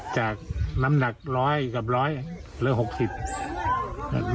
จากน้ำหนักร้อยกับร้อยเหลือหกสิบ